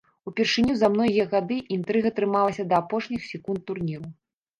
Упершыню за многія гады інтрыга трымалася да апошніх секунд турніру!